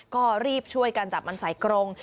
ก็รีบช่วยกันจับมันใส่กรง